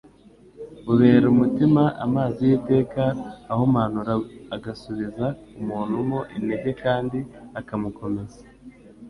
bubera umutima amazi y'iteka ahumanura agasubiza umuntu mo intege kandi akamukomeza.